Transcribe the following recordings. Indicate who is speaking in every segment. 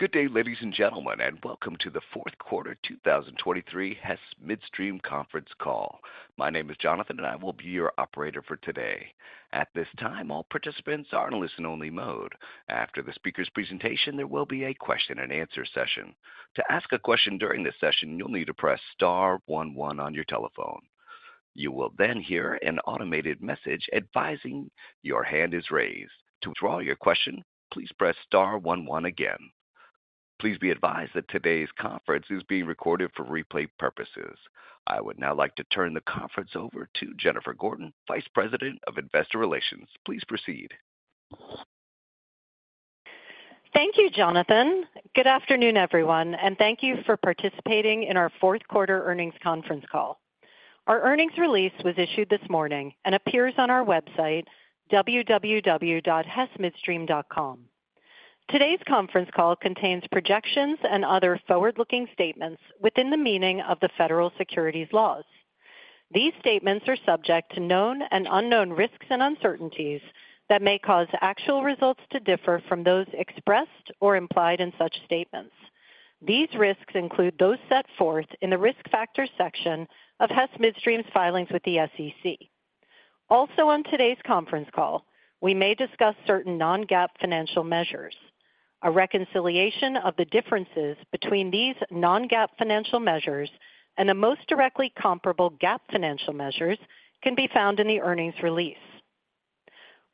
Speaker 1: Good day, ladies and gentlemen, and welcome to the Fourth Quarter 2023 Hess Midstream conference call. My name is Jonathan, and I will be your operator for today. At this time, all participants are in a listen-only mode. After the speaker's presentation, there will be a question-and-answer session. To ask a question during this session, you'll need to press star one one on your telephone. You will then hear an automated message advising your hand is raised. To withdraw your question, please press star one one again. Please be advised that today's conference is being recorded for replay purposes. I would now like to turn the conference over to Jennifer Gordon, Vice President of Investor Relations. Please proceed.
Speaker 2: Thank you, Jonathan. Good afternoon, everyone, and thank you for participating in our Fourth Quarter Earnings Conference Call. Our earnings release was issued this morning and appears on our website, www.hessmidstream.com. Today's conference call contains projections and other forward-looking statements within the meaning of the federal securities laws. These statements are subject to known and unknown risks and uncertainties that may cause actual results to differ from those expressed or implied in such statements. These risks include those set forth in the Risk Factors section of Hess Midstream's filings with the SEC. Also, on today's conference call, we may discuss certain non-GAAP financial measures. A reconciliation of the differences between these non-GAAP financial measures and the most directly comparable GAAP financial measures can be found in the earnings release.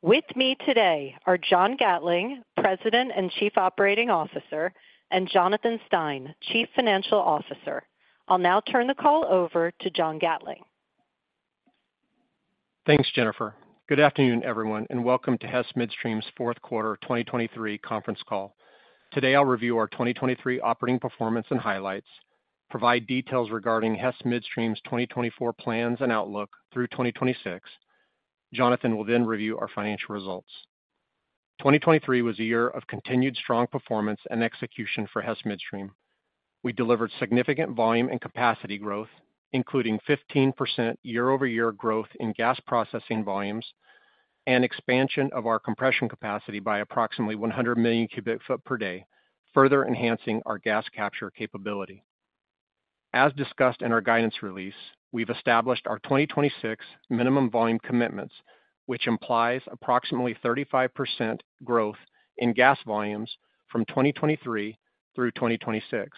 Speaker 2: With me today are John Gatling, President and Chief Operating Officer, and Jonathan Stein, Chief Financial Officer. I'll now turn the call over to John Gatling.
Speaker 3: Thanks, Jennifer. Good afternoon, everyone, and welcome to Hess Midstream's Fourth Quarter 2023 Conference Call. Today, I'll review our 2023 operating performance and highlights, provide details regarding Hess Midstream's 2024 plans and outlook through 2026. Jonathan will then review our financial results. 2023 was a year of continued strong performance and execution for Hess Midstream. We delivered significant volume and capacity growth, including 15% year-over-year growth in gas processing volumes and expansion of our compression capacity by approximately 100 million cubic feet per day, further enhancing our gas capture capability. As discussed in our guidance release, we've established our 2026 minimum volume commitments, which implies approximately 35% growth in gas volumes from 2023 through 2026.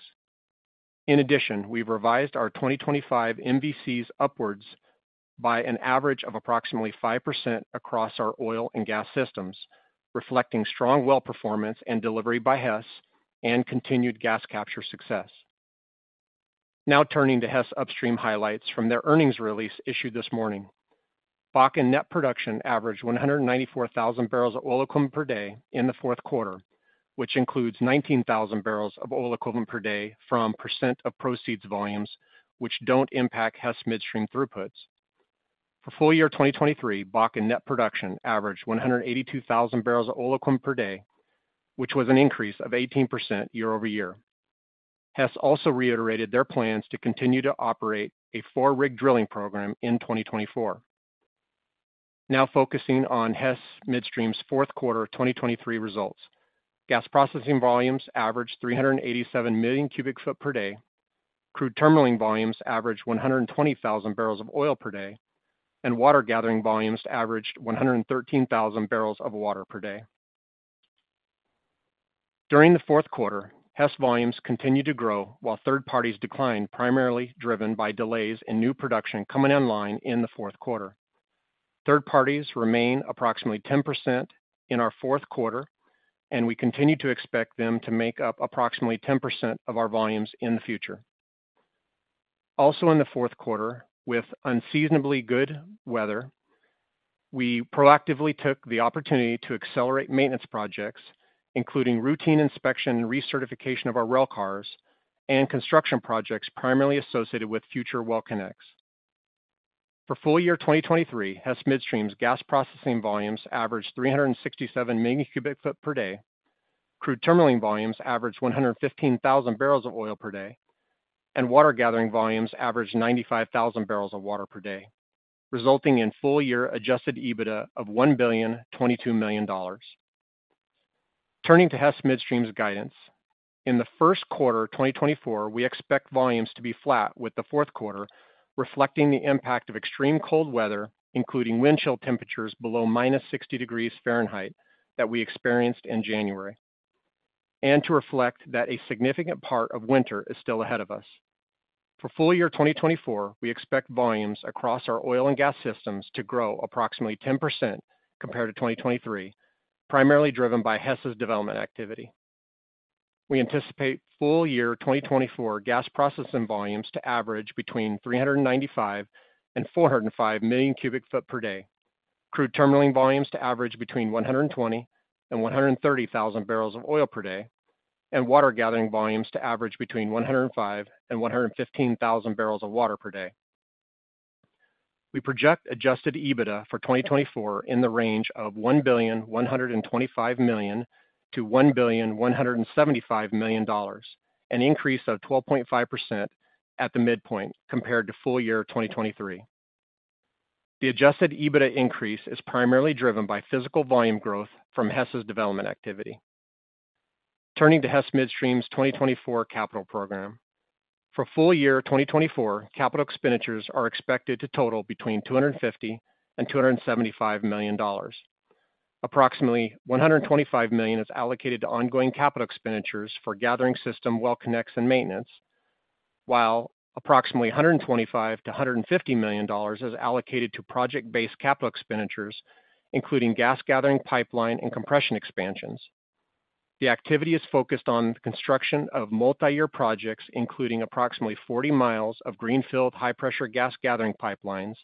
Speaker 3: In addition, we've revised our 2025 MVCs upwards by an average of approximately 5% across our oil and gas systems, reflecting strong well performance and delivery by Hess and continued gas capture success. Now turning to Hess Upstream highlights from their earnings release issued this morning. Bakken net production averaged 194,000 barrels of oil equivalent per day in the fourth quarter, which includes 19,000 barrels of oil equivalent per day from percent of proceeds volumes, which don't impact Hess Midstream throughputs. For full-year 2023, Bakken net production averaged 182,000 barrels of oil equivalent per day, which was an increase of 18% year-over-year. Hess also reiterated their plans to continue to operate a 4-rig drilling program in 2024. Now focusing on Hess Midstream's fourth quarter 2023 results. Gas processing volumes averaged 387 million cubic feet per day. Crude terminaling volumes averaged 120,000 barrels of oil per day, and water gathering volumes averaged 113,000 barrels of water per day. During the fourth quarter, Hess volumes continued to grow while third parties declined, primarily driven by delays in new production coming online in the fourth quarter. Third parties remain approximately 10% in our fourth quarter, and we continue to expect them to make up approximately 10% of our volumes in the future. Also in the fourth quarter, with unseasonably good weather, we proactively took the opportunity to accelerate maintenance projects, including routine inspection and recertification of our rail cars and construction projects primarily associated with future well connects. For full-year 2023, Hess Midstream's gas processing volumes averaged 367 million cubic foot per day. Crude terminaling volumes averaged 115,000 barrels of oil per day, and water gathering volumes averaged 95,000 barrels of water per day, resulting in full-year Adjusted EBITDA of $1.022 billion. Turning to Hess Midstream's guidance. In the first quarter of 2024, we expect volumes to be flat with the fourth quarter, reflecting the impact of extreme cold weather, including wind-chill temperatures below -60 degrees Fahrenheit, that we experienced in January, and to reflect that a significant part of winter is still ahead of us. For full year 2024, we expect volumes across our oil and gas systems to grow approximately 10% compared to 2023, primarily driven by Hess's development activity. We anticipate full-year 2024 gas processing volumes to average between 395 million and 405 million cubic foot per day. Crude terminaling volumes to average between 120,000 and 130,000 barrels of oil per day, and water gathering volumes to average between 105,000 and 115,000 barrels of water per day. We project Adjusted EBITDA for 2024 in the range of $1.125 billion to $1.175 billion, an increase of 12.5% at the midpoint compared to full year 2023. The Adjusted EBITDA increase is primarily driven by physical volume growth from Hess's development activity. Turning to Hess Midstream's 2024 capital program. For full-year 2024, capital expenditures are expected to total between $250 million and $275 million. Approximately $125 million is allocated to ongoing capital expenditures for gathering system, well connects, and maintenance, while approximately $125 million to $150 million is allocated to project-based capital expenditures, including gas gathering, pipeline, and compression expansions. The activity is focused on the construction of multi-year projects, including approximately 40 miles of greenfield, high-pressure gas gathering pipelines,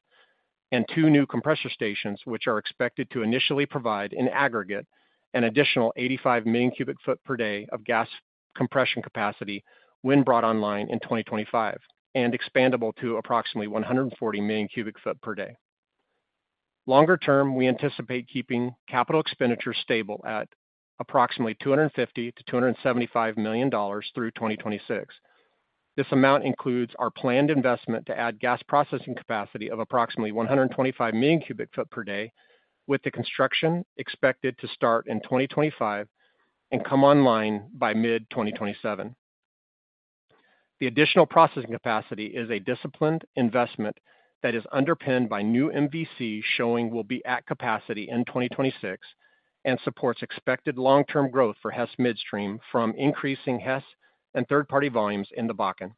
Speaker 3: and two new compressor stations, which are expected to initially provide, in aggregate, an additional 85 million cubic foot per day of gas compression capacity when brought online in 2025, and expandable to approximately 140 million cubic foot per day. Longer term, we anticipate keeping capital expenditures stable at approximately $250 million to $275 million through 2026. This amount includes our planned investment to add gas processing capacity of approximately 125 million cubic foot per day, with the construction expected to start in 2025 and come online by mid-2027. The additional processing capacity is a disciplined investment that is underpinned by new MVC showing will be at capacity in 2026 and supports expected long-term growth for Hess Midstream from increasing Hess and third-party volumes in the Bakken.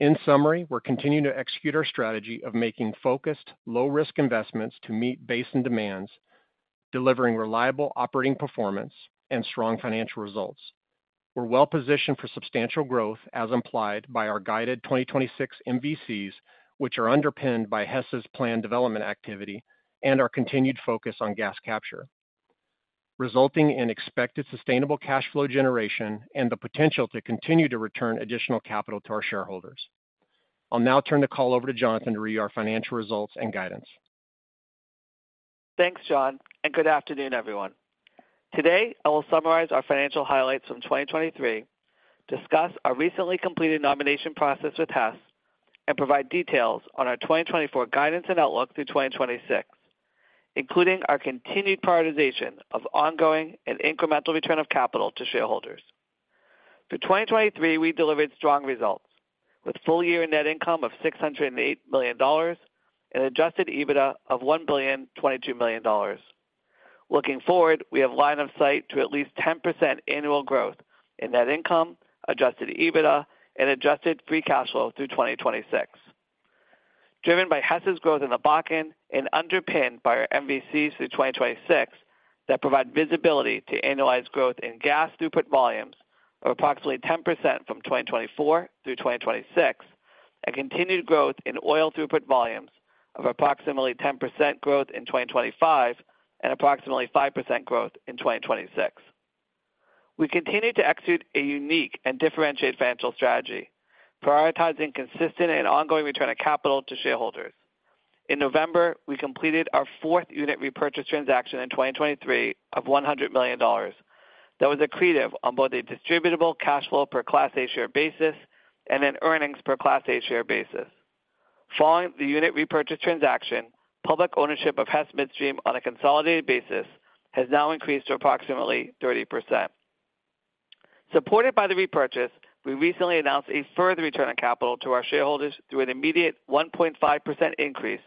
Speaker 3: In summary, we're continuing to execute our strategy of making focused, low-risk investments to meet basin demands, delivering reliable operating performance and strong financial results. We're well-positioned for substantial growth, as implied by our guided 2026 MVCs, which are underpinned by Hess's planned development activity and our continued focus on gas capture, resulting in expected sustainable cash flow generation and the potential to continue to return additional capital to our shareholders. I'll now turn the call over to Jonathan to read our financial results and guidance.
Speaker 4: Thanks, John, and good afternoon, everyone. Today, I will summarize our financial highlights from 2023, discuss our recently completed nomination process with Hess, and provide details on our 2024 guidance and outlook through 2026, including our continued prioritization of ongoing and incremental return of capital to shareholders. Through 2023, we delivered strong results, with full-year net income of $608 million and adjusted EBITDA of $1.022 billion Looking forward, we have line of sight to at least 10% annual growth in net income, adjusted EBITDA, and adjusted free cash flow through 2026. Driven by Hess's growth in the Bakken and underpinned by our MVCs through 2026, that provide visibility to annualized growth in gas throughput volumes of approximately 10% from 2024 through 2026, and continued growth in oil throughput volumes of approximately 10% growth in 2025 and approximately 5% growth in 2026. We continue to execute a unique and differentiated financial strategy, prioritizing consistent and ongoing return of capital to shareholders. In November, we completed our fourth unit repurchase transaction in 2023 of $100 million. That was accretive on both a distributable cash flow per Class A share basis and an earnings per Class A share basis. Following the unit repurchase transaction, public ownership of Hess Midstream on a consolidated basis has now increased to approximately 30%. Supported by the repurchase, we recently announced a further return of capital to our shareholders through an immediate 1.5% increase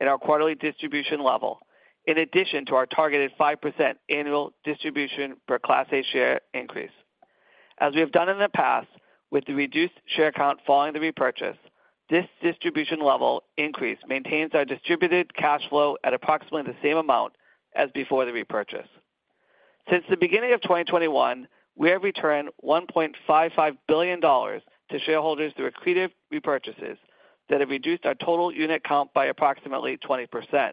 Speaker 4: in our quarterly distribution level, in addition to our targeted 5% annual distribution per Class A share increase. As we have done in the past, with the reduced share count following the repurchase, this distribution level increase maintains our distributed cash flow at approximately the same amount as before the repurchase. Since the beginning of 2021, we have returned $1.55 billion to shareholders through accretive repurchases that have reduced our total unit count by approximately 20%.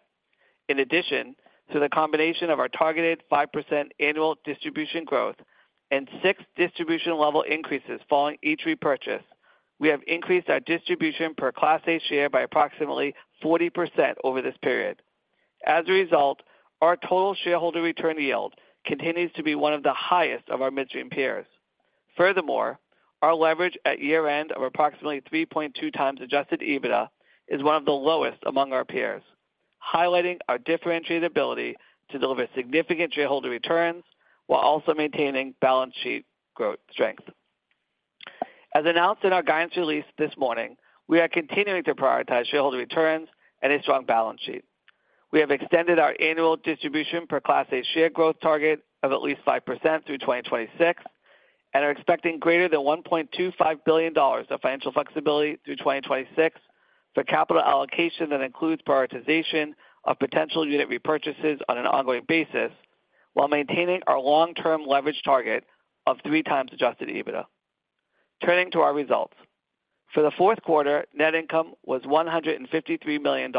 Speaker 4: In addition to the combination of our targeted 5% annual distribution growth and six distribution level increases following each repurchase, we have increased our distribution per Class A share by approximately 40% over this period. As a result, our total shareholder return yield continues to be one of the highest of our midstream peers. Furthermore, our leverage at year-end of approximately 3.2x adjusted EBITDA is one of the lowest among our peers, highlighting our differentiated ability to deliver significant shareholder returns while also maintaining balance sheet growth strength. As announced in our guidance release this morning, we are continuing to prioritize shareholder returns and a strong balance sheet. We have extended our annual distribution per Class A share growth target of at least 5% through 2026 and are expecting greater than $1.25 billion of financial flexibility through 2026 for capital allocation. That includes prioritization of potential unit repurchases on an ongoing basis while maintaining our long-term leverage target of 3x adjusted EBITDA. Turning to our results. For the fourth quarter, net income was $153 million,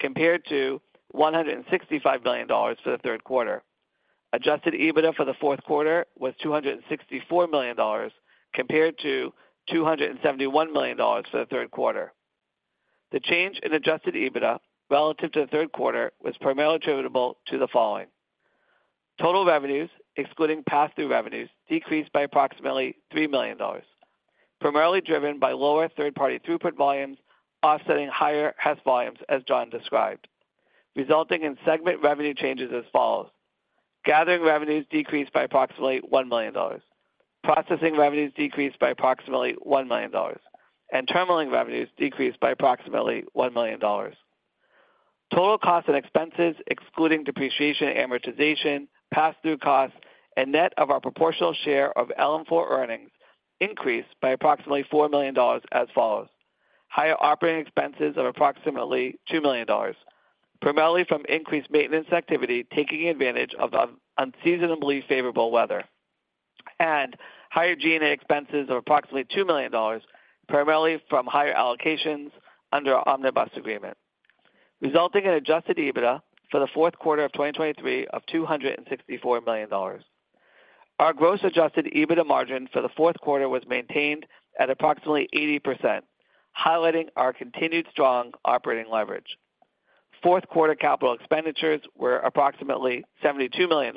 Speaker 4: compared to $165 million for the third quarter. Adjusted EBITDA for the fourth quarter was $264 million, compared to $271 million for the third quarter. The change in adjusted EBITDA relative to the third quarter was primarily attributable to the following: Total revenues, excluding pass-through revenues, decreased by approximately $3 million, primarily driven by lower third-party throughput volumes, offsetting higher Hess volumes, as John described, resulting in segment revenue changes as follows: Gathering revenues decreased by approximately $1 million. Processing revenues decreased by approximately $1 million, and terminalling revenues decreased by approximately $1 million. Total costs and expenses, excluding depreciation and amortization, pass-through costs, and net of our proportional share of LM4 earnings, increased by approximately $4 million as follows: Higher operating expenses of approximately $2 million, primarily from increased maintenance activity, taking advantage of the unseasonably favorable weather, and higher G&A expenses of approximately $2 million, primarily from higher allocations under our omnibus agreement, resulting in adjusted EBITDA for the fourth quarter of 2023 of $264 million. Our gross Adjusted EBITDA margin for the fourth quarter was maintained at approximately 80%, highlighting our continued strong operating leverage. Fourth quarter capital expenditures were approximately $72 million,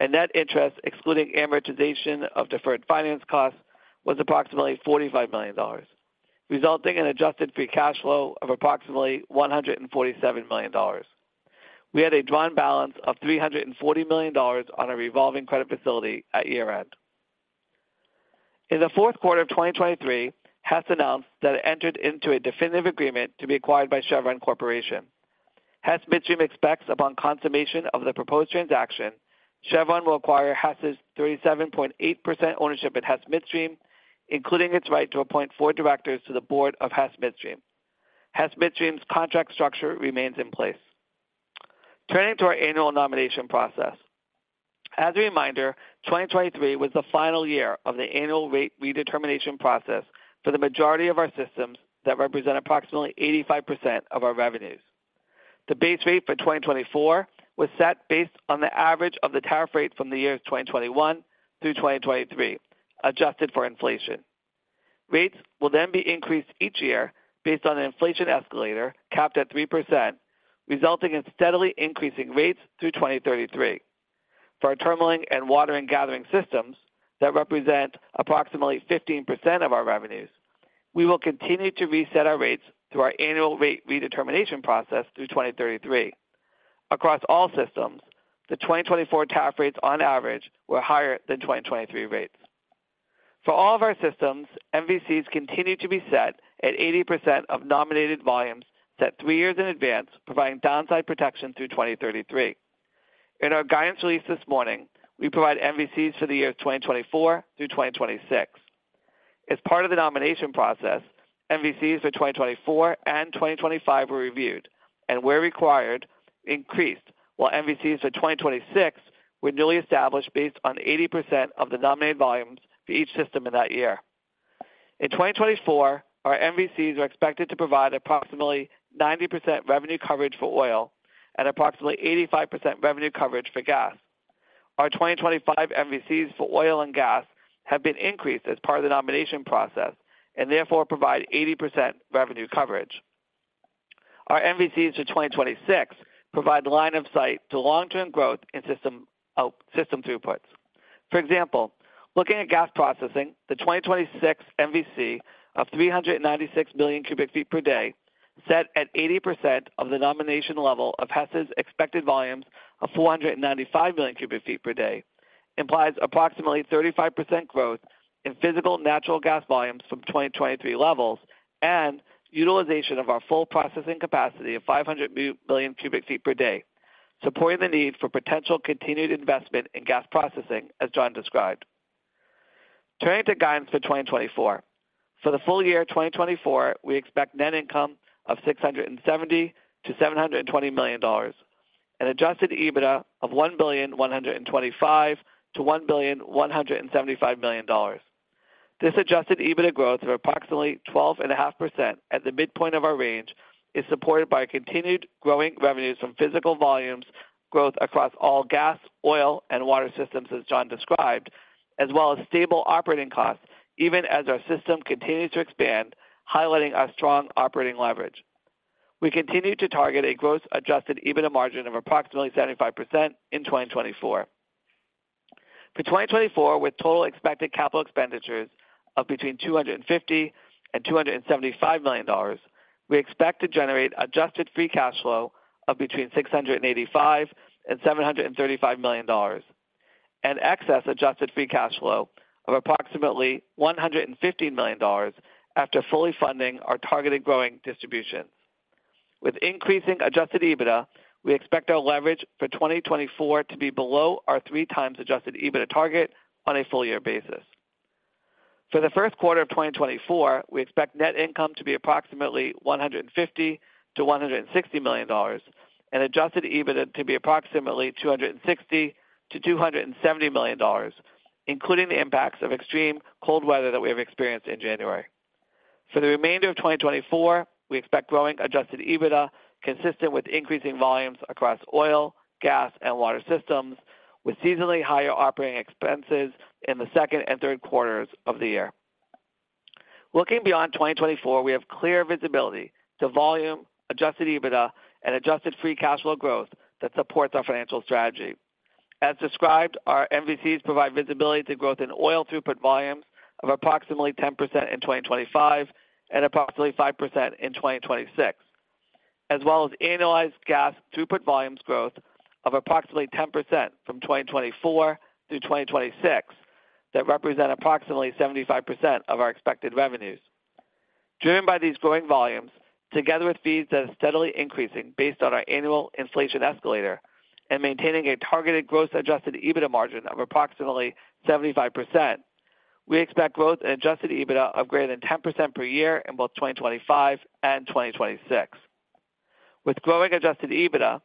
Speaker 4: and net interest, excluding amortization of deferred finance costs, was approximately $45 million, resulting in adjusted free cash flow of approximately $147 million. We had a drawn balance of $340 million on our revolving credit facility at year-end. In the fourth quarter of 2023, Hess announced that it entered into a definitive agreement to be acquired by Chevron Corporation. Hess Midstream expects, upon consummation of the proposed transaction, Chevron will acquire Hess's 37.8% ownership at Hess Midstream, including its right to appoint four directors to the board of Hess Midstream. Hess Midstream's contract structure remains in place. Turning to our annual nomination process. As a reminder, 2023 was the final year of the annual rate redetermination process for the majority of our systems that represent approximately 85% of our revenues. The base rate for 2024 was set based on the average of the tariff rate from the years 2021 through 2023, adjusted for inflation. Rates will then be increased each year based on an inflation escalator, capped at 3%, resulting in steadily increasing rates through 2033. For our terminalling and water and gathering systems that represent approximately 15% of our revenues, we will continue to reset our rates through our annual rate redetermination process through 2033. Across all systems, the 2024 tariff rates on average were higher than 2023 rates. For all of our systems, MVCs continue to be set at 80% of nominated volumes set three years in advance, providing downside protection through 2033. In our guidance release this morning, we provide MVCs for the year of 2024 through 2026. As part of the nomination process, MVCs for 2024 and 2025 were reviewed, and where required, increased, while MVCs for 2026 were newly established based on 80% of the nominated volumes for each system in that year. In 2024, our MVCs are expected to provide approximately 90% revenue coverage for oil and approximately 85% revenue coverage for gas. Our 2025 MVCs for oil and gas have been increased as part of the nomination process and therefore provide 80% revenue coverage. Our MVCs for 2026 provide line of sight to long-term growth in system throughputs. For example, looking at gas processing, the 2026 MVC of 396 million cubic feet per day, set at 80% of the nomination level of Hess's expected volumes of 495 million cubic feet per day, implies approximately 35% growth in physical natural gas volumes from 2023 levels and utilization of our full processing capacity of 500 million cubic feet per day, supporting the need for potential continued investment in gas processing, as John described. Turning to guidance for 2024. For the full-year 2024, we expect net income of $670 million to $720 million, an adjusted EBITDA of $1.125 billion to $1.175 billion. This Adjusted EBITDA growth of approximately 12.5% at the midpoint of our range is supported by continued growing revenues from physical volumes growth across all gas, oil, and water systems, as John described, as well as stable operating costs, even as our system continues to expand, highlighting our strong operating leverage. We continue to target a gross Adjusted EBITDA margin of approximately 75% in 2024. For 2024, with total expected capital expenditures of between $250 million and $275 million, we expect to generate adjusted free cash flow of between $685 million and $735 million, and excess adjusted free cash flow of approximately $150 million after fully funding our targeted growing distributions. With increasing adjusted EBITDA, we expect our leverage for 2024 to be below our 3x adjusted EBITDA target on a full year basis. For the first quarter of 2024, we expect net income to be approximately $150 million to $160 million, and adjusted EBITDA to be approximately $260 million to $270 million, including the impacts of extreme cold weather that we have experienced in January. For the remainder of 2024, we expect growing adjusted EBITDA, consistent with increasing volumes across oil, gas, and water systems, with seasonally higher operating expenses in the second and third quarters of the year.
Speaker 3: Looking beyond 2024, we have clear visibility to volume, adjusted EBITDA, and adjusted free cash flow growth that supports our financial strategy. As described, our MVCs provide visibility to growth in oil throughput volumes of approximately 10% in 2025 and approximately 5% in 2026, as well as annualized gas throughput volumes growth of approximately 10% from 2024 through 2026, that represent approximately 75% of our expected revenues. Driven by these growing volumes, together with fees that are steadily increasing based on our annual inflation escalator and maintaining a targeted gross Adjusted EBITDA margin of approximately 75%, we expect growth in adjusted EBITDA of greater than 10% per year in both 2025 and 2026. With growing adjusted EBITDA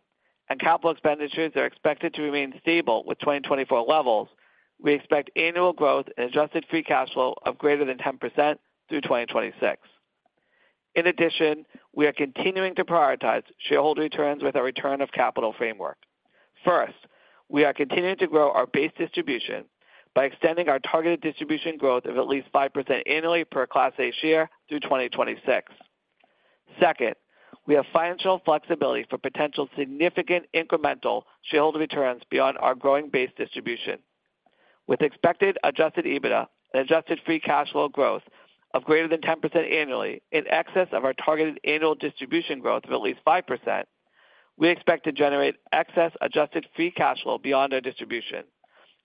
Speaker 3: and capital expenditures are expected to remain stable with 2024 levels, we expect annual growth in adjusted free cash flow of greater than 10% through 2026. In addition, we are continuing to prioritize shareholder returns with our return of capital framework. First, we are continuing to grow our base distribution by extending our targeted distribution growth of at least 5% annually per Class A share through 2026. Second, we have financial flexibility for potential significant incremental shareholder returns beyond our growing base distribution. With expected adjusted EBITDA and adjusted free cash flow growth of greater than 10% annually, in excess of our targeted annual distribution growth of at least 5%, we expect to generate excess adjusted free cash flow beyond our distribution,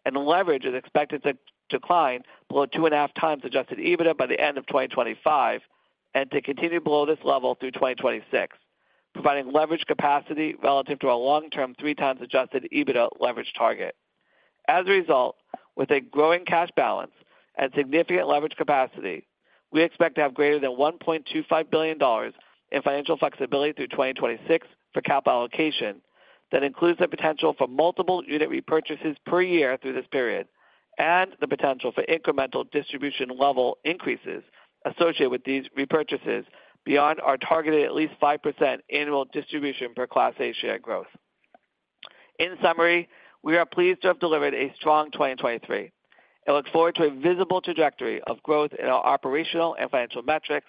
Speaker 3: and leverage is expected to decline below 2.5x Adjusted EBITDA by the end of 2025 and to continue below this level through 2026, providing leverage capacity relative to our long-term 3x Adjusted EBITDA leverage target. As a result, with a growing cash balance and significant leverage capacity, we expect to have greater than $1.25 billion in financial flexibility through 2026 for capital allocation. That includes the potential for multiple unit repurchases per year through this period and the potential for incremental distribution level increases associated with these repurchases beyond our targeted at least 5% annual distribution per Class A share growth. In summary, we are pleased to have delivered a strong 2023 and look forward to a visible trajectory of growth in our operational and financial metrics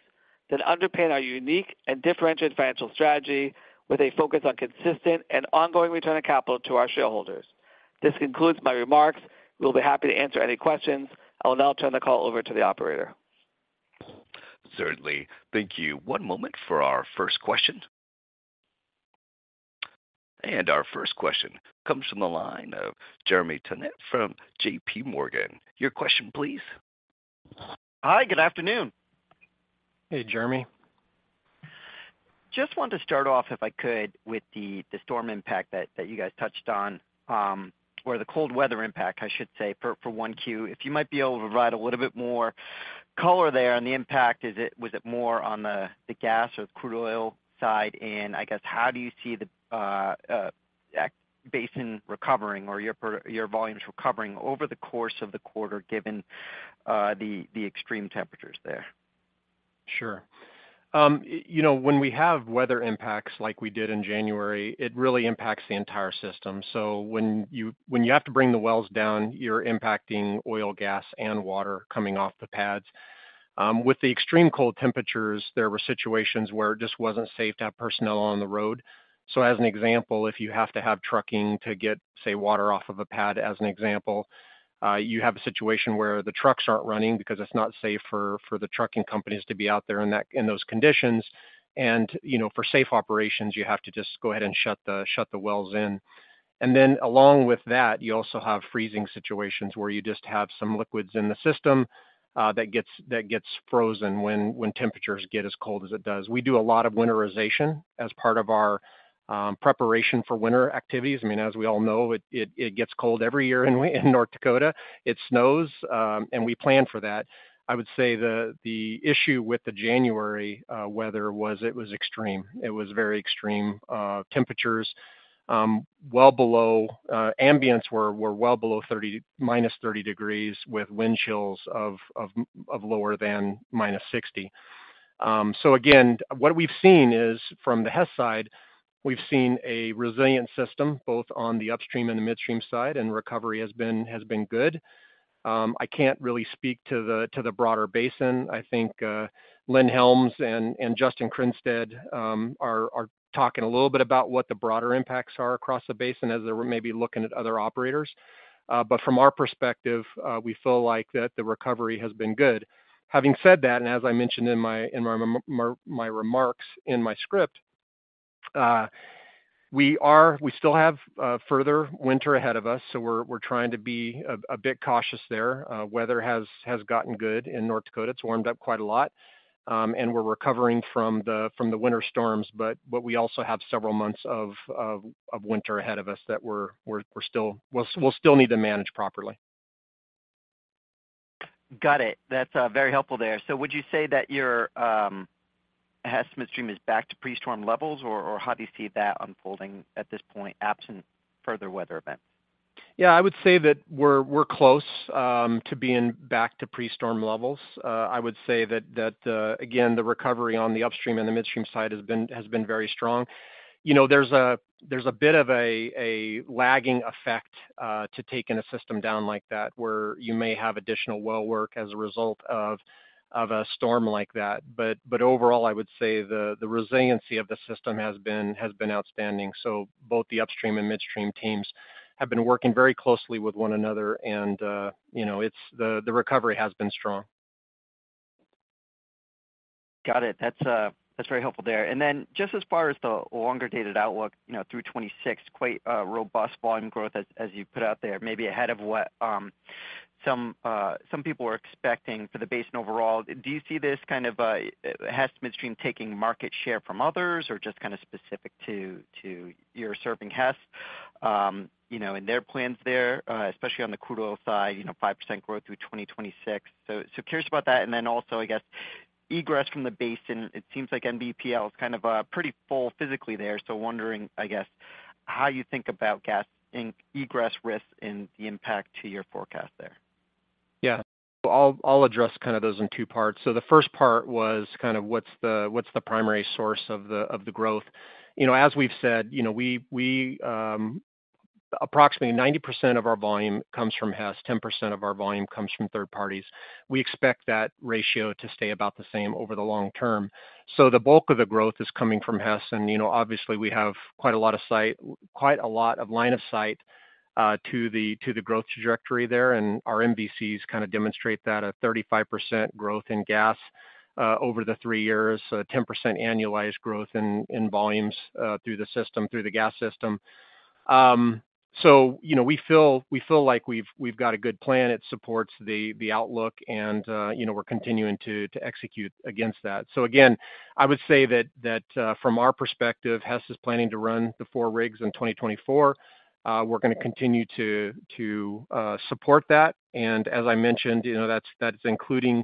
Speaker 3: that underpin our unique and differentiated financial strategy, with a focus on consistent and ongoing return of capital to our shareholders. This concludes my remarks. We'll be happy to answer any questions. I will now turn the call over to the operator.
Speaker 1: Certainly. Thank you. One moment for our first question. And our first question comes from the line of Jeremy Tonet from J.P. Morgan. Your question, please.
Speaker 5: Hi, good afternoon.
Speaker 3: Hey, Jeremy.
Speaker 5: Just want to start off, if I could, with the storm impact that you guys touched on, or the cold weather impact, I should say, for 1Q. If you might be able to provide a little bit more color there on the impact. Is it, was it more on the gas or the crude oil side? And how do you see the basin recovering or your volumes recovering over the course of the quarter, given the extreme temperatures there?
Speaker 3: Sure. You know, when we have weather impacts like we did in January, it really impacts the entire system. So when you have to bring the wells down, you're impacting oil, gas, and water coming off the pads. With the extreme cold temperatures, there were situations where it just wasn't safe to have personnel on the road. So as an example, if you have to have trucking to get, say, water off of a pad as an example, you have a situation where the trucks aren't running because it's not safe for the trucking companies to be out there in those conditions. And, you know, for safe operations, you have to just go ahead and shut the wells in. And then along with that, you also have freezing situations where you just have some liquids in the system that gets frozen when temperatures get as cold as it does. We do a lot of winterization as part of our preparation for winter activities. I mean, as we all know, it gets cold every year in North Dakota. It snows, and we plan for that. I would say the issue with the January weather was it was extreme. It was very extreme. Temperatures well below ambient were well below -30 degrees, with wind chills lower than -60. So again, what we've seen is, from the Hess side, we've seen a resilient system, both on the upstream and the midstream side, and recovery has been good. I can't really speak to the broader basin. I think Lynn Helms and Justin Krynstad are talking a little bit about what the broader impacts are across the basin as they're maybe looking at other operators. But from our perspective, we feel like that the recovery has been good. Having said that, and as I mentioned in my remarks, in my script, we still have further winter ahead of us, so we're trying to be a bit cautious there. Weather has gotten good in North Dakota. It's warmed up quite a lot, and we're recovering from the winter storms, but we also have several months of winter ahead of us that we'll still need to manage properly.
Speaker 5: Got it. That's very helpful there. So would you say that your Hess Midstream is back to pre-storm levels, or how do you see that unfolding at this point, absent further weather events?
Speaker 3: Yeah, I would say that we're close to being back to pre-storm levels. I would say that again, the recovery on the upstream and the midstream side has been very strong. You know, there's a bit of a lagging effect to taking a system down like that, where you may have additional well work as a result of a storm like that. But overall, I would say the resiliency of the system has been outstanding. So both the upstream and midstream teams have been working very closely with one another, and you know, it's the recovery has been strong.
Speaker 5: Got it. That's very helpful there. And then just as far as the longer-dated outlook, you know, through 2026, quite robust volume growth as, as you put out there, maybe ahead of what some some people were expecting for the basin overall. Do you see this kind of Hess Midstream taking market share from others, or just kind of specific to your serving Hess, you know, in their plans there, especially on the crude oil side, you know, 5% growth through 2026? So, curious about that, and then also, I guess, egress from the basin. It seems like NBPL is kind of pretty full physically there. So wondering how you think about gas and egress risk and the impact to your forecast there.
Speaker 3: Yeah. I'll address kind of those in two parts. So the first part was kind of what's the primary source of the growth? You know, as we've said, you know, we approximately 90% of our volume comes from Hess, 10% of our volume comes from third parties. We expect that ratio to stay about the same over the long term. So the bulk of the growth is coming from Hess, and you know, obviously, we have quite a lot of line of sight to the growth trajectory there, and our MVCs kind of demonstrate that, a 35% growth in gas over the three years, a 10% annualized growth in volumes through the system, through the gas system. So you know, we feel like we've got a good plan. It supports the outlook, and, you know, we're continuing to execute against that. So again, I would say that, from our perspective, Hess is planning to run the four rigs in 2024. We're going to continue to support that. And as I mentioned, you know, that's including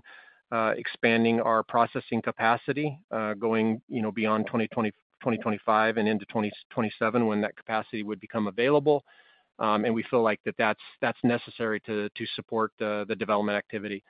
Speaker 3: expanding our processing capacity, going, you know, beyond 2025 and into 2027, when that capacity would become available. And we feel like that's necessary to support the development activity.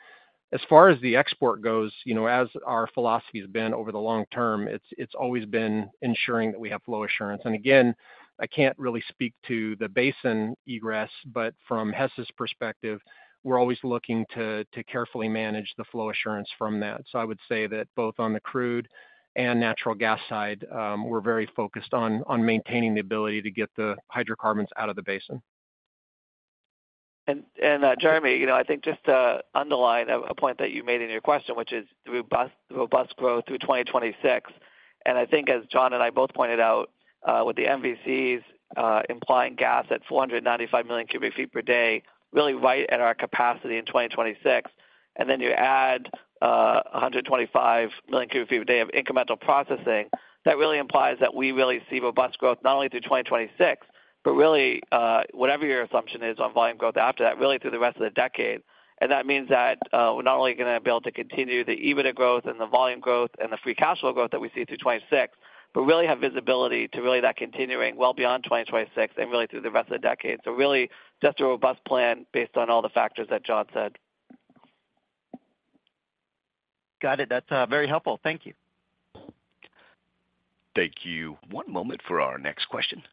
Speaker 3: As far as the export goes, you know, as our philosophy has been over the long term, it's always been ensuring that we have flow assurance. And again, I can't really speak to the basin egress, but from Hess's perspective, we're always looking to carefully manage the flow assurance from that. So I would say that both on the crude and natural gas side, we're very focused on maintaining the ability to get the hydrocarbons out of the basin.
Speaker 4: Jeremy, you know, I think just to underline a point that you made in your question, which is the robust growth through 2026, and I think as John and I both pointed out, with the MVCs implying gas at 495 million cubic feet per day, really right at our capacity in 2026. And then you add a 125 million cubic feet a day of incremental processing, that really implies that we really see robust growth not only through 2026, but really whatever your assumption is on volume growth after that, really through the rest of the decade. That means that, we're not only going to be able to continue the EBITDA growth and the volume growth and the free cash flow growth that we see through 2026, but really have visibility to really that continuing well beyond 2026 and really through the rest of the decade. So really, just a robust plan based on all the factors that John said.
Speaker 5: Got it. That's very helpful. Thank you.
Speaker 1: Thank you. One moment for our next question.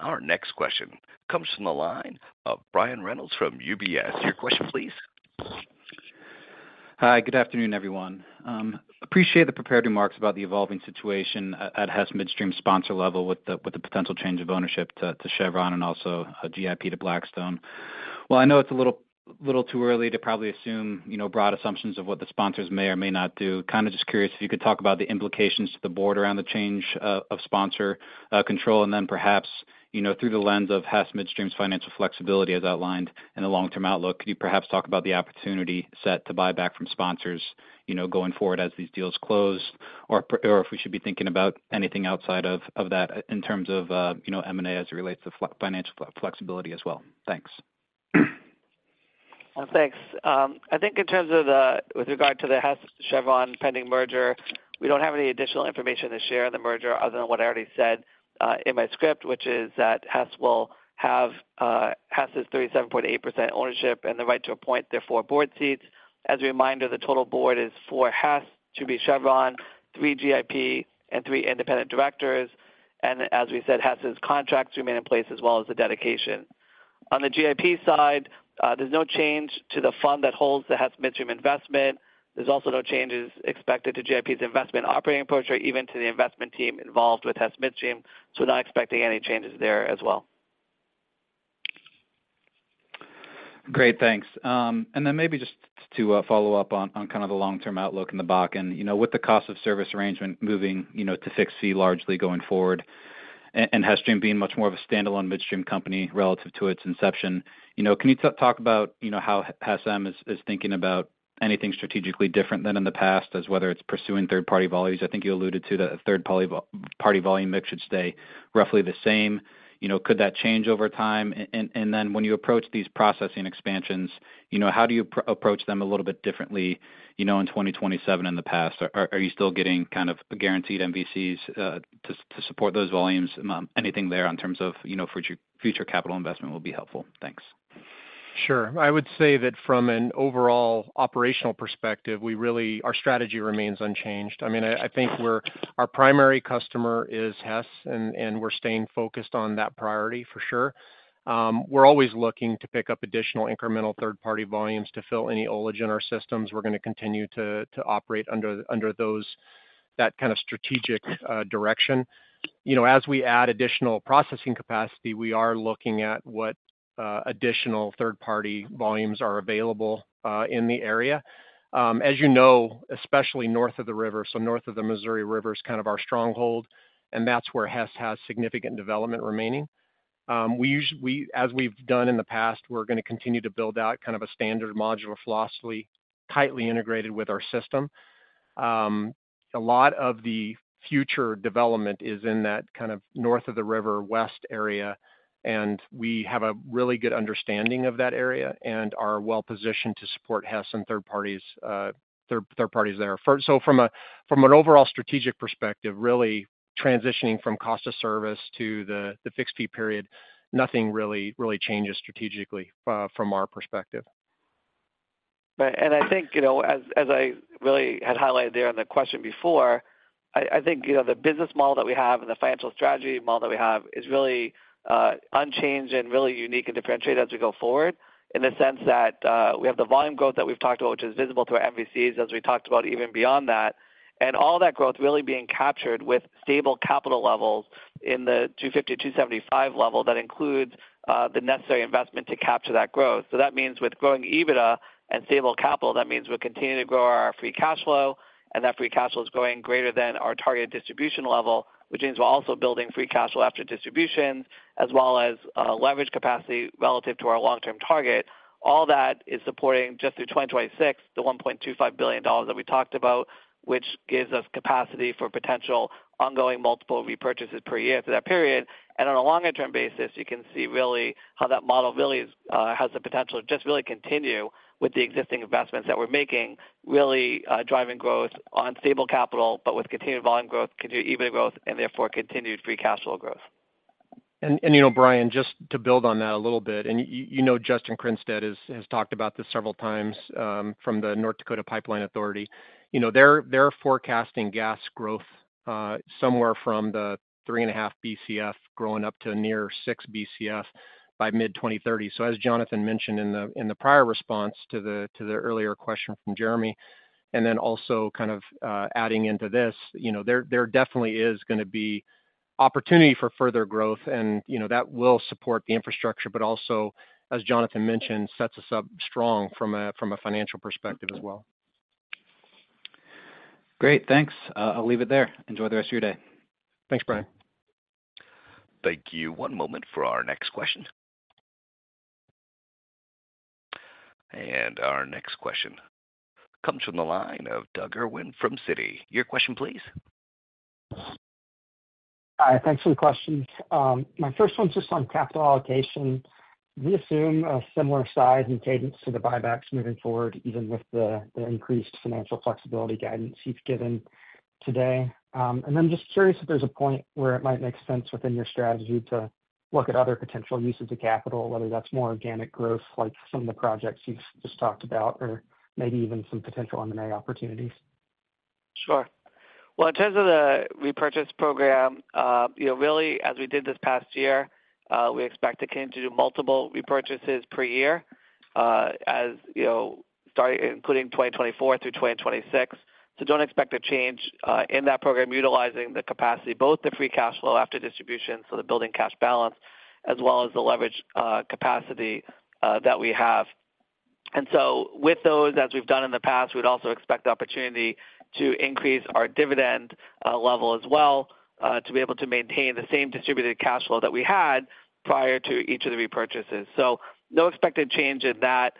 Speaker 1: Our next question comes from the line of Brian Reynolds from UBS. Your question, please.
Speaker 6: Hi, good afternoon, everyone. Appreciate the prepared remarks about the evolving situation at Hess Midstream sponsor level with the potential change of ownership to Chevron and also GIP to Blackstone. While I know it's a little too early to probably assume, you know, broad assumptions of what the sponsors may or may not do, kind of just curious if you could talk about the implications to the board around the change of sponsor control. And then perhaps, you know, through the lens of Hess Midstream's financial flexibility as outlined in the long-term outlook, could you perhaps talk about the opportunity set to buy back from sponsors, you know, going forward as these deals close or if we should be thinking about anything outside of that in terms of, you know, M&A as it relates to financial flexibility as well? Thanks.
Speaker 4: Well, thanks. I think in terms of with regard to the Hess-Chevron pending merger, we don't have any additional information to share on the merger other than what I already said, in my script, which is that Hess will have, Hess is' 37.8% ownership and the right to appoint their four board seats. As a reminder, the total board is four Hess, two for Chevron, three GIP, and three independent directors. And as we said, Hess' contracts remain in place as well as the dedication. On the GIP side, there's no change to the fund that holds the Hess Midstream investment. There's also no changes expected to GIP's investment operating approach or even to the investment team involved with Hess Midstream. So we're not expecting any changes there as well.
Speaker 6: Great, thanks. And then maybe just to follow up on, on kind of the long-term outlook in the Bakken. You know, with the cost of service arrangement moving, you know, to fixed fee largely going forward and Hess Midstream being much more of a standalone midstream company relative to its inception, you know, can you talk about you know, how Hess M is thinking about anything strategically different than in the past, as whether it's pursuing third-party volumes? I think you alluded to the third-party volume mix should stay roughly the same. You know, could that change over time? And, and then when you approach these processing expansions, you know, how do you approach them a little bit differently, you know, in 2027 in the past? Are you still getting kind of guaranteed MVCs to support those volumes? Anything there on terms of, you know, future capital investment will be helpful. Thanks.
Speaker 3: Sure. I would say that from an overall operational perspective, our strategy remains unchanged. I mean, I think we're, our primary customer is Hess, and we're staying focused on that priority for sure. We're always looking to pick up additional incremental third-party volumes to fill any ullage in our systems. We're going to continue to operate under those, that kind of strategic direction. You know, as we add additional processing capacity, we are looking at what additional third-party volumes are available in the area. As you know, especially north of the river, so north of the Missouri River is kind of our stronghold, and that's where Hess has significant development remaining. We, as we've done in the past, we're going to continue to build out kind of a standard modular philosophy, tightly integrated with our system. A lot of the future development is in that kind of north of the river, west area, and we have a really good understanding of that area and are well positioned to support Hess and third parties there. So from an overall strategic perspective, really transitioning from cost of service to the fixed fee period, nothing really changes strategically, from our perspective.
Speaker 4: Right. And I think, you know, as I really had highlighted there on the question before, I think, you know, the business model that we have and the financial strategy model that we have is really unchanged and really unique and differentiated as we go forward, in the sense that we have the volume growth that we've talked about, which is visible through our MVCs, as we talked about even beyond that. And all that growth really being captured with stable capital levels in the $250 to $275 level, that includes the necessary investment to capture that growth. So that means with growing EBITDA and stable capital, that means we're continuing to grow our free cash flow, and that free cash flow is growing greater than our target distribution level, which means we're also building free cash flow after distributions, as well as, leverage capacity relative to our long-term target. All that is supporting, just through 2026, the $1.25 billion that we talked about, which gives us capacity for potential ongoing multiple repurchases per year through that period. And on a longer term basis, you can see really how that model really has the potential to just really continue with the existing investments that we're making, really, driving growth on stable capital, but with continued volume growth, continued EBITDA growth, and therefore continued free cash flow growth.
Speaker 3: You know, Brian, just to build on that a little bit, and you know, Justin Krynstad has talked about this several times from the North Dakota Pipeline Authority. You know, they're forecasting gas growth somewhere from 3.5 BCF growing up to near 6 BCF by mid-2030. So as Jonathan mentioned in the prior response to the earlier question from Jeremy, and then also kind of adding into this, you know, there definitely is going to be opportunity for further growth, and you know, that will support the infrastructure, but also, as Jonathan mentioned, sets us up strong from a financial perspective as well.
Speaker 6: Great, thanks. I'll leave it there. Enjoy the rest of your day.
Speaker 3: Thanks, Brian.
Speaker 1: Thank you. One moment for our next question. Our next question comes from the line of Doug Irwin from Citi. Your question, please.
Speaker 7: Hi, thanks for the questions. My first one's just on capital allocation. We assume a similar size and cadence to the buybacks moving forward even with the increased financial flexibility guidance you've given today. And I'm just curious if there's a point where it might make sense within your strategy to look at other potential uses of capital, whether that's more organic growth, like some of the projects you've just talked about, or maybe even some potential M&A opportunities.
Speaker 4: Sure. Well, in terms of the repurchase program, you know, really, as we did this past year, we expect to continue to do multiple repurchases per year, as you know, starting including 2024 through 2026. So don't expect a change in that program, utilizing the capacity, both the free cash flow after distribution, so the building cash balance, as well as the leverage capacity that we have. And so with those, as we've done in the past, we'd also expect the opportunity to increase our dividend level as well, to be able to maintain the same distributed cash flow that we had prior to each of the repurchases. So no expected change in that.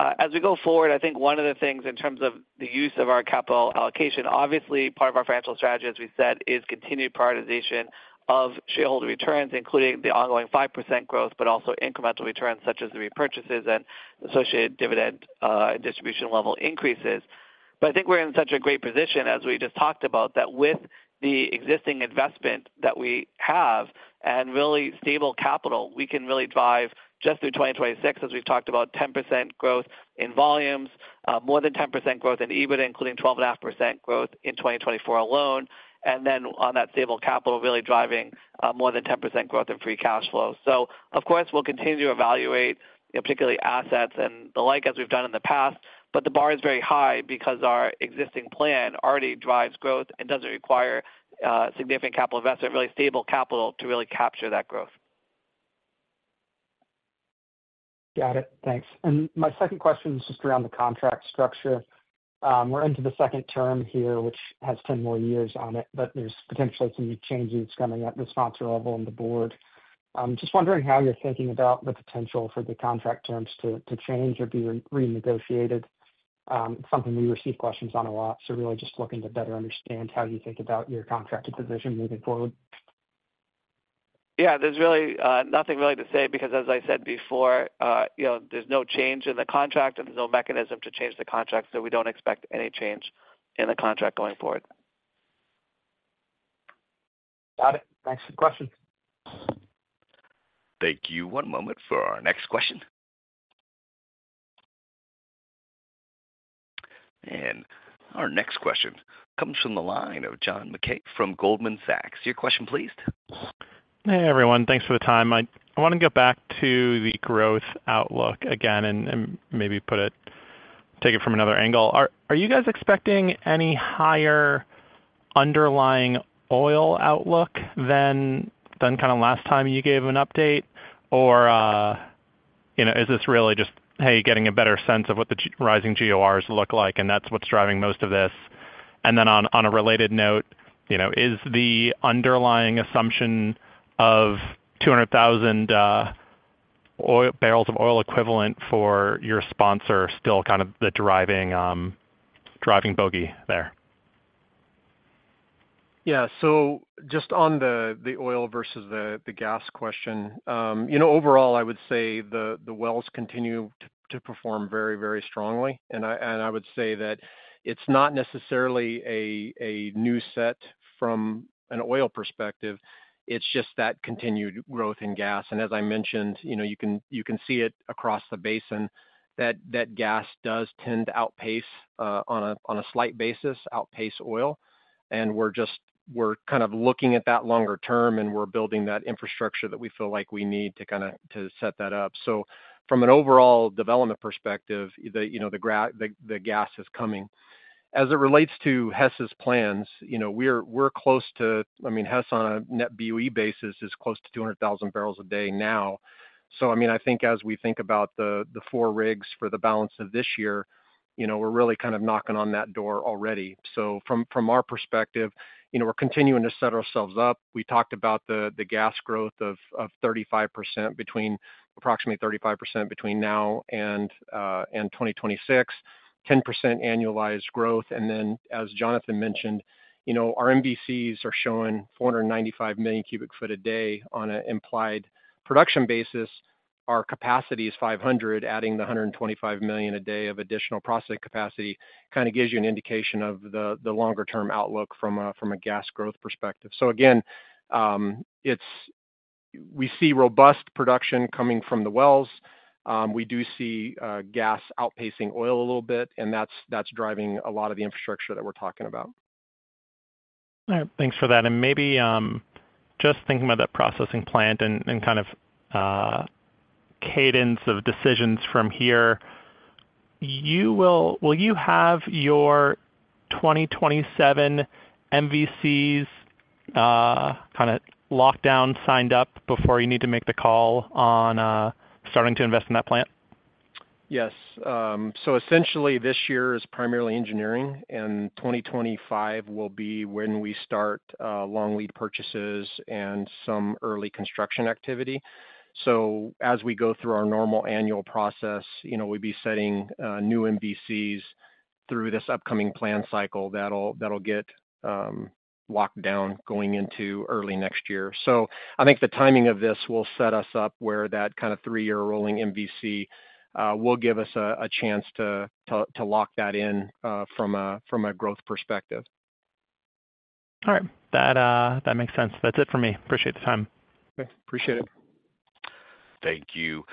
Speaker 4: As we go forward, I think one of the things in terms of the use of our capital allocation, obviously, part of our financial strategy, as we said, is continued prioritization of shareholder returns, including the ongoing 5% growth, but also incremental returns, such as the repurchases and associated dividend, and distribution level increases. But I think we're in such a great position, as we just talked about, that with the existing investment that we have and really stable capital, we can really drive just through 2026, as we've talked about, 10% growth in volumes, more than 10% growth in EBITDA, including 12.5% growth in 2024 alone, and then on that stable capital, really driving more than 10% growth in free cash flow. Of course, we'll continue to evaluate, you know, particularly assets and the like, as we've done in the past, but the bar is very high because our existing plan already drives growth and doesn't require significant capital investment, really stable capital to really capture that growth.
Speaker 7: Got it. Thanks. My second question is just around the contract structure. We're into the second term here, which has 10 more years on it, but there's potentially some changes coming up with sponsor level on the board. Just wondering how you're thinking about the potential for the contract terms to change or be renegotiated. Something we receive questions on a lot, so really just looking to better understand how you think about your contracted position moving forward.
Speaker 4: Yeah, there's really, nothing really to say, because as I said before, you know, there's no change in the contract and there's no mechanism to change the contract, so we don't expect any change in the contract going forward.
Speaker 7: Got it. Thanks for the question.
Speaker 2: Thank you. One moment for our next question. And our next question comes from the line of John Mackay from Goldman Sachs. Your question, please.
Speaker 8: Hey, everyone. Thanks for the time. I want to get back to the growth outlook again and maybe put it, take it from another angle. Are you guys expecting any higher underlying oil outlook than kind of last time you gave an update or, you know, is this really just, hey, getting a better sense of what the rising GORs look like, and that's what's driving most of this? And then on a related note, you know, is the underlying assumption of 200,000 barrels of oil equivalent for your sponsor still kind of the driving bogey there?
Speaker 3: Yeah. So just on the oil versus the gas question, you know, overall, I would say the wells continue to perform very, very strongly. And I would say that it's not necessarily a new set from an oil perspective, it's just that continued growth in gas. And as I mentioned, you know, you can see it across the basin that gas does tend to outpace, on a slight basis, outpace oil. And we're kind of looking at that longer term, and we're building that infrastructure that we feel like we need to set that up. So from an overall development perspective, you know, the gas is coming. As it relates to Hess's plans, you know, we're close to, I mean, Hess, on a net BOE basis, is close to 200,000 barrels a day now. So I mean, I think as we think about the, the 4 rigs for the balance of this year, you know, we're really kind of knocking on that door already. So from, from our perspective, you know, we're continuing to set ourselves up. We talked about the, the gas growth of 35% between, approximately 35% between now and, and 2026, 10% annualized growth. And then, as Jonathan mentioned, you know, our MVCs are showing 495 million cubic foot a day. On an implied production basis, our capacity is 500 million cubic foot a day, adding the 125 million a day of additional processing capacity, kind of gives you an indication of the longer-term outlook from a gas growth perspective. So again, we see robust production coming from the wells. We do see gas outpacing oil a little bit, and that's driving a lot of the infrastructure that we're talking about.
Speaker 8: All right, thanks for that. And maybe just thinking about that processing plant and kind of cadence of decisions from here, Will you have your 2027 MVCs locked down, signed up before you need to make the call on starting to invest in that plant?
Speaker 3: Yes. So essentially, this year is primarily engineering, and 2025 will be when we start long lead purchases and some early construction activity. So as we go through our normal annual process, you know, we'd be setting new MVCs through this upcoming plan cycle that'll get locked down going into early next year. So I think the timing of this will set us up where that kind of three-year rolling MVC will give us a chance to lock that in from a growth perspective.
Speaker 8: All right. That, that makes sense. That's it for me. Appreciate the time.
Speaker 3: Okay, appreciate it.
Speaker 1: Thank you.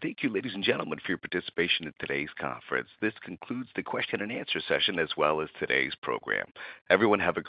Speaker 1: Thank you, ladies and gentlemen, for your participation in today's conference. This concludes the question and answer session, as well as today's program. Everyone, have a great-